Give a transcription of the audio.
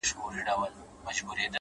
بس ده د خداى لپاره زړه مي مه خوره’